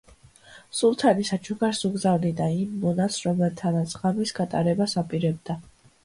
სულთანი საჩუქარს უგზავნიდა იმ მონას, რომელთანაც ღამის გატარებას აპირებდა.